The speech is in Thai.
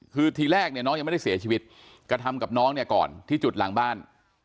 คือทีแรกเนี่ยน้องยังไม่ได้เสียชีวิตกระทำกับน้องเนี่ยก่อนที่จุดหลังบ้าน